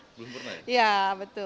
belum pernah ya